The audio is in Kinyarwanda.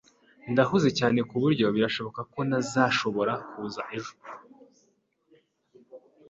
Ndahuze cyane kuburyo birashoboka ko ntazashobora kuza ejo.